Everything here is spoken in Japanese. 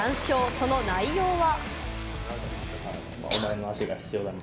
その内容は。